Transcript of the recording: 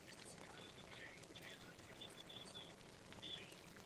Nové vedení církve ale stále trvalo na původním rozhodnutí.